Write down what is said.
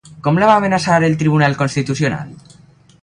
Com la va amenaçar el Tribunal Constitucional?